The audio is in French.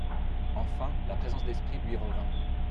Enfin la présence d'esprit lui revint.